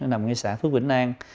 nằm ngay xã phước vĩnh an